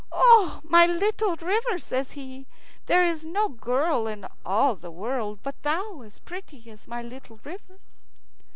"O my little river!" says he; "there is no girl in all the world but thou as pretty as my little river."